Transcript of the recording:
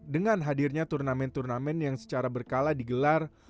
dengan hadirnya turnamen turnamen yang secara berkala digelar